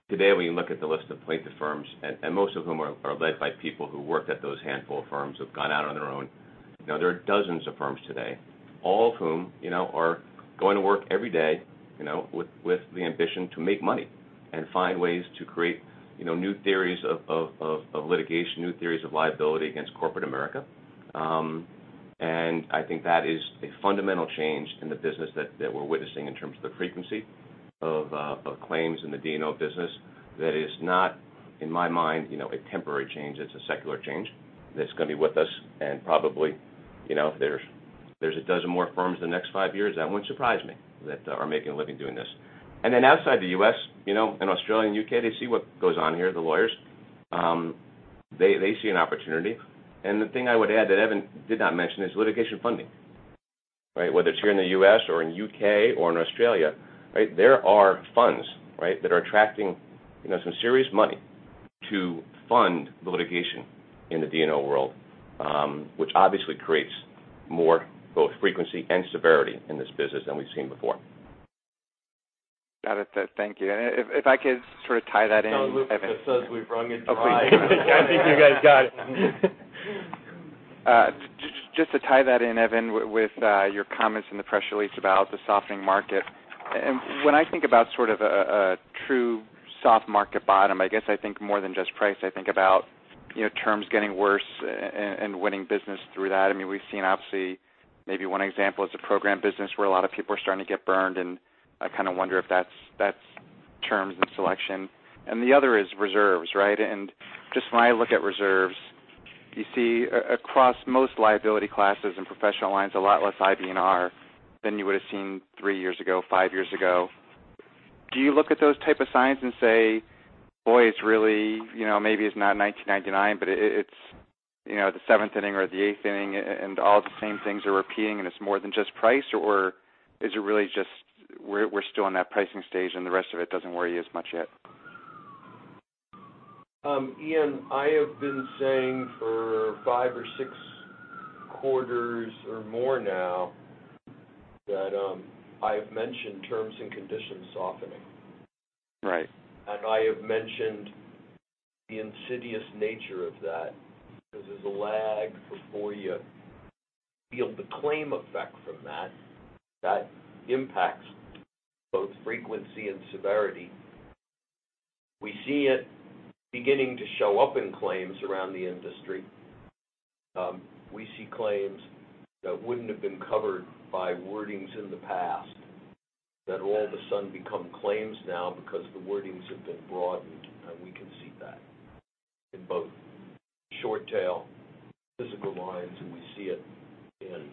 Today, when you look at the list of plaintiff firms, most of whom are led by people who worked at those handful of firms, have gone out on their own. Now there are dozens of firms today, all of whom are going to work every day with the ambition to make money and find ways to create new theories of litigation, new theories of liability against corporate America. I think that is a fundamental change in the business that we're witnessing in terms of the frequency of claims in the D&O business that is not, in my mind, a temporary change. It's a secular change that's going to be with us, probably there's a dozen more firms in the next five years, that wouldn't surprise me, that are making a living doing this. Then outside the U.S., in Australia and U.K., they see what goes on here, the lawyers. They see an opportunity. The thing I would add that Evan did not mention is litigation funding. Whether it's here in the U.S. or in U.K. or in Australia, there are funds that are attracting some serious money to fund the litigation in the D&O world, which obviously creates more, both frequency and severity in this business than we've seen before. Got it. Thank you. If I could sort of tie that in, Evan. Tell lookbacks we've wrung it dry. Okay. I think you guys got it. Just to tie that in, Evan, with your comments in the press release about the softening market. When I think about a true soft market bottom, I guess I think more than just price. I think about terms getting worse and winning business through that. We've seen, obviously, maybe one example is the program business, where a lot of people are starting to get burned, and I kind of wonder if that's terms and selection. The other is reserves. Just when I look at reserves, you see across most liability classes and professional lines, a lot less IBNR than you would have seen three years ago, five years ago. Do you look at those type of signs and say, "Boy, maybe it's not 1999, but it's the 7th inning or the 8th inning, and all the same things are repeating, and it's more than just price?" Is it really just we're still in that pricing stage and the rest of it doesn't worry you as much yet? Ian, I have been saying for five or six quarters, or more now, that I have mentioned terms and conditions softening. Right. I have mentioned the insidious nature of that because there's a lag before you feel the claim effect from that. That impacts both frequency and severity. We see it beginning to show up in claims around the industry. We see claims that wouldn't have been covered by wordings in the past that all of a sudden become claims now because the wordings have been broadened, and we can see that in both short tail physical lines, and we see it in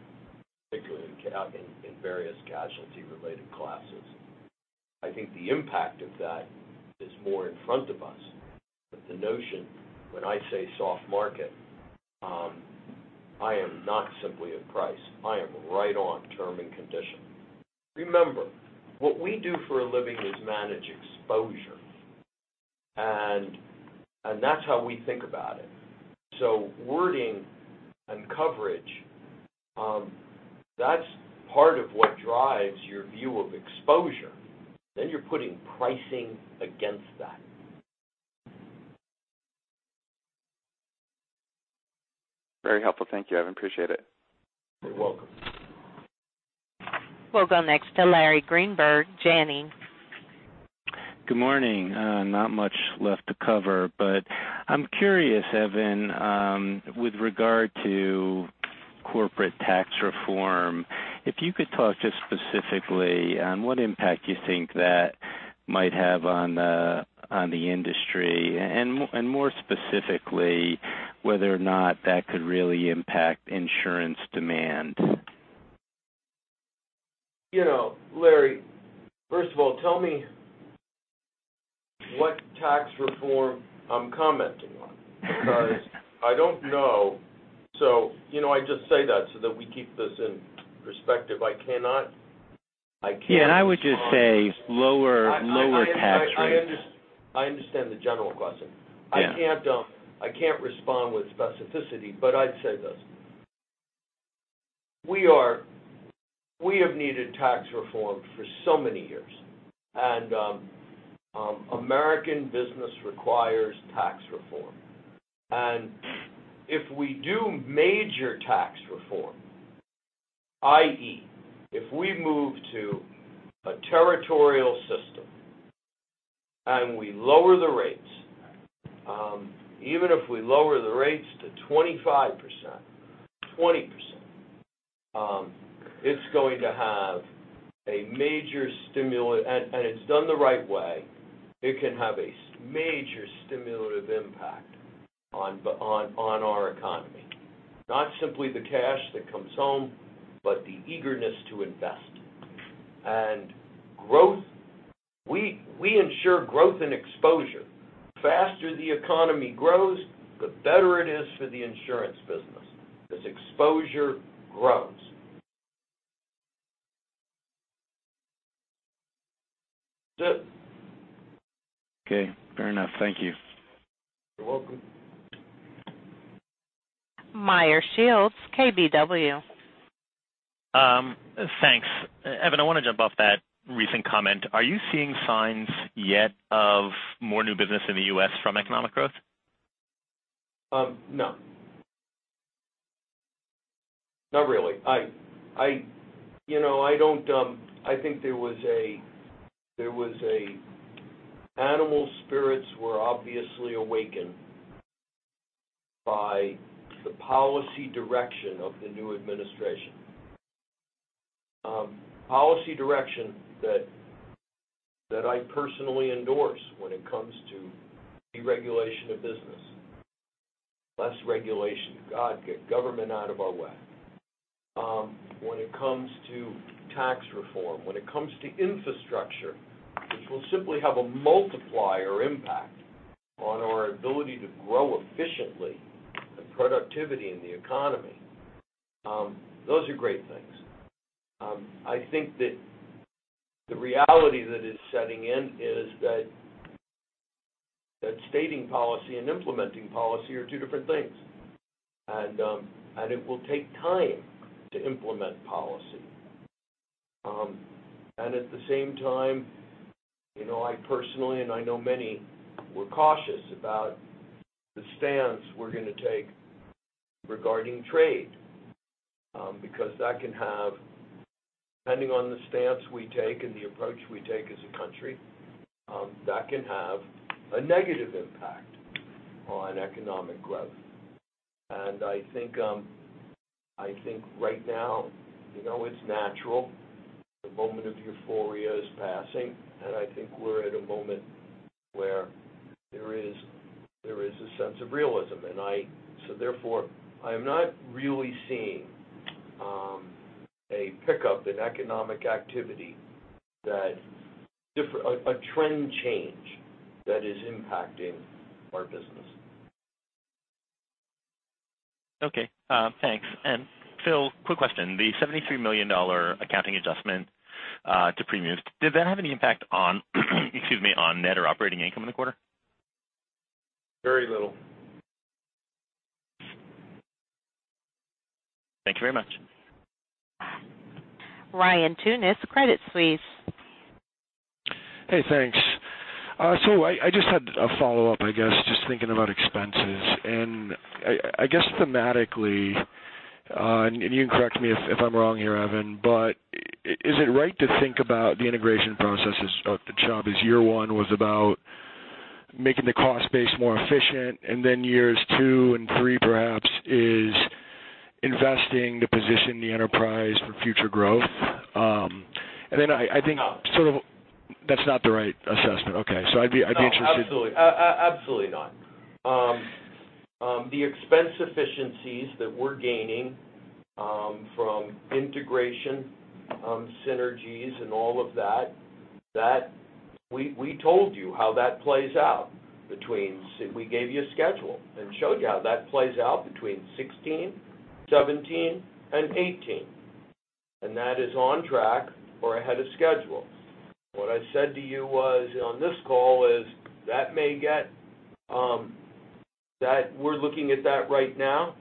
particularly in various casualty related classes. I think the impact of that is more in front of us. The notion when I say soft market, I am not simply a price. I am right on term and condition. Remember, what we do for a living is manage exposure, and that's how we think about it. Wording and coverage, that's part of what drives your view of exposure. You're putting pricing against that. Very helpful. Thank you, Evan. Appreciate it. You're welcome. We'll go next to Larry Greenberg, Janney. Good morning. Not much left to cover, but I'm curious, Evan, with regard to corporate tax reform, if you could talk just specifically on what impact you think that might have on the industry, and more specifically, whether or not that could really impact insurance demand. Larry, first of all, tell me what tax reform I'm commenting on because I don't know. I just say that so that we keep this in perspective. I cannot respond- Yeah, I would just say lower tax rates. I understand the general question. Yeah. I can't respond with specificity, but I'd say this. We have needed tax reform for so many years. American business requires tax reform. If we do major tax reform, i.e., if we move to a territorial system and we lower the rates, even if we lower the rates to 25%, 20%, and it's done the right way, it can have a major stimulative impact on our economy. Not simply the cash that comes home, but the eagerness to invest. Growth, we ensure growth and exposure. The faster the economy grows, the better it is for the insurance business, as exposure grows. That's it. Okay. Fair enough. Thank you. You're welcome. Meyer Shields, KBW. Thanks. Evan, I want to jump off that recent comment. Are you seeing signs yet of more new business in the U.S. from economic growth? No. Not really. I think there was animal spirits were obviously awakened by the policy direction of the new administration. Policy direction that I personally endorse when it comes to deregulation of business, less regulation. God, get government out of our way. When it comes to tax reform, when it comes to infrastructure, which will simply have a multiplier impact on our ability to grow efficiently productivity in the economy, those are great things. I think that the reality that is setting in is that stating policy and implementing policy are two different things, it will take time to implement policy. At the same time, I personally, I know many were cautious about the stance we're going to take regarding trade, because that can have, depending on the stance we take and the approach we take as a country, that can have a negative impact on economic growth. I think right now, it's natural. The moment of euphoria is passing, I think we're at a moment where there is a sense of realism. Therefore, I am not really seeing a pickup in economic activity that a trend change that is impacting our business. Okay. Thanks. Phil, quick question. The $73 million accounting adjustment to premiums, did that have any impact on net or operating income in the quarter? Very little. Thank you very much. Ryan Tunis, Credit Suisse. Hey, thanks. I just had a follow-up, I guess, just thinking about expenses. I guess thematically, and you can correct me if I'm wrong here, Evan, but is it right to think about the integration processes of the Chubb as year one was about making the cost base more efficient, and then years two and three perhaps is investing to position the enterprise for future growth? No. That's not the right assessment. Okay. No, absolutely not. The expense efficiencies that we're gaining from integration synergies and all of that, we told you how that plays out between, we gave you a schedule and showed you how that plays out between 2016, 2017, and 2018. That is on track or ahead of schedule. What I said to you was, on this call is that we're looking at that right now.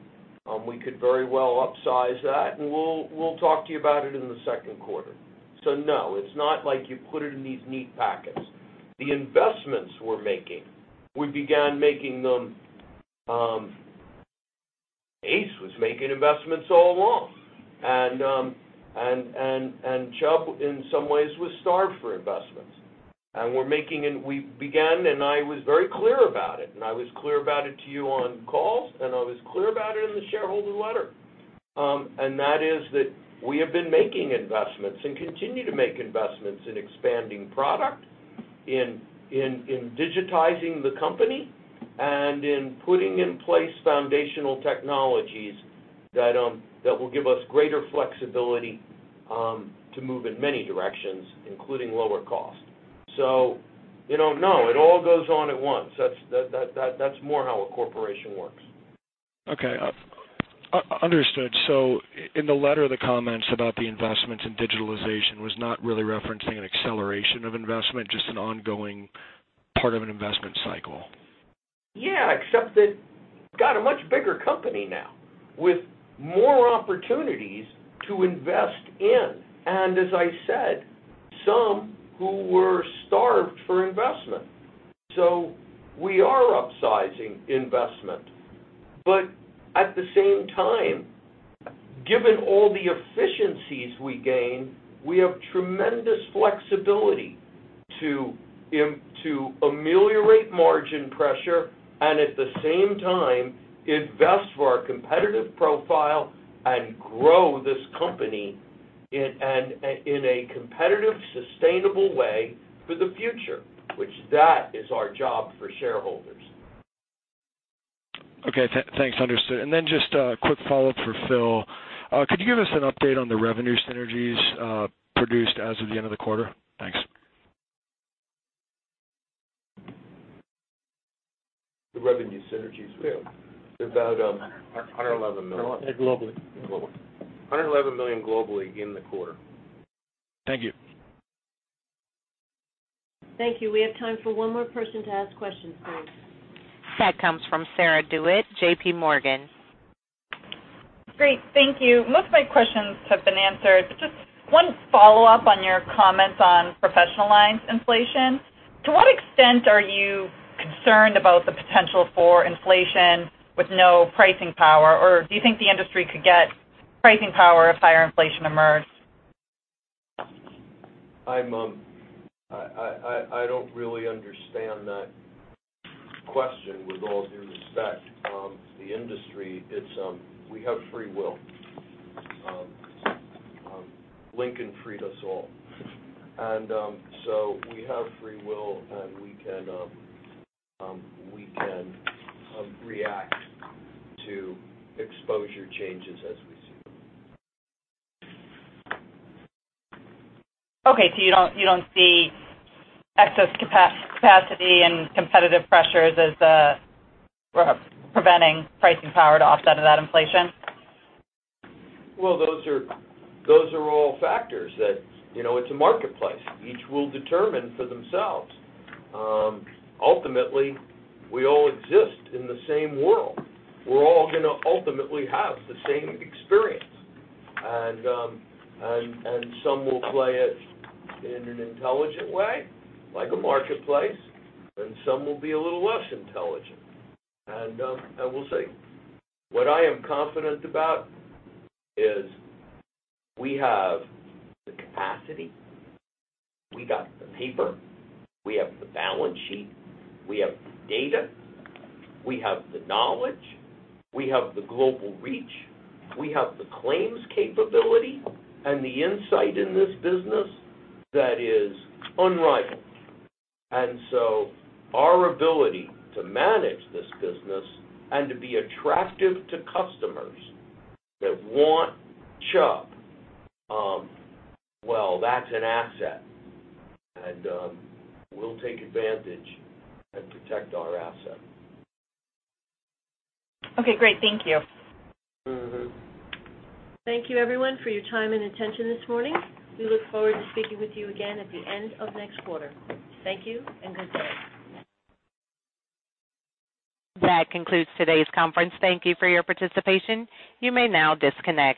We could very well upsize that, and we'll talk to you about it in the second quarter. No, it's not like you put it in these neat packets. The investments we're making, we began making them, ACE was making investments all along. Chubb, in some ways, was starved for investments. I was very clear about it, and I was clear about it to you on calls, and I was clear about it in the shareholder letter. That is that we have been making investments and continue to make investments in expanding product, in digitizing the company, and in putting in place foundational technologies that will give us greater flexibility to move in many directions, including lower cost. No, it all goes on at once. That's more how a corporation works. Okay. Understood. In the letter, the comments about the investments in digitalization was not really referencing an acceleration of investment, just an ongoing part of an investment cycle? Yeah, except that we've got a much bigger company now with more opportunities to invest in. As I said, some who were starved for investment. We are upsizing investment. At the same time, given all the efficiencies we gain, we have tremendous flexibility to ameliorate margin pressure and at the same time invest for our competitive profile and grow this company in a competitive, sustainable way for the future, which that is our job for shareholders. Okay, thanks. Understood. Just a quick follow-up for Phil. Could you give us an update on the revenue synergies produced as of the end of the quarter? Thanks. The revenue synergies we have about $111 million. Globally. Globally. $111 million globally in the quarter. Thank you. Thank you. We have time for one more person to ask questions, please. That comes from Sarah DeWitt, J.P. Morgan. Great. Thank you. Most of my questions have been answered, but just one follow-up on your comments on professional lines inflation. To what extent are you concerned about the potential for inflation with no pricing power, or do you think the industry could get pricing power if higher inflation emerged? I don't really understand that question with all due respect. The industry, we have free will. Lincoln freed us all. We have free will, and we can react to exposure changes as we see them. Okay. You don't see excess capacity and competitive pressures as preventing pricing power to offset of that inflation? Well, those are all factors that it's a marketplace. Each will determine for themselves. Ultimately, we all exist in the same world. We're all going to ultimately have the same experience, and some will play it in an intelligent way, like a marketplace, and some will be a little less intelligent, and we'll see. What I am confident about is we have the capacity, we got the paper, we have the balance sheet, we have the data, we have the knowledge, we have the global reach, we have the claims capability and the insight in this business that is unrivaled. Our ability to manage this business and to be attractive to customers that want Chubb, well, that's an asset, and we'll take advantage and protect our asset. Okay, great. Thank you. Thank you everyone for your time and attention this morning. We look forward to speaking with you again at the end of next quarter. Thank you and good day. That concludes today's conference. Thank you for your participation. You may now disconnect.